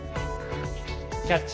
「キャッチ！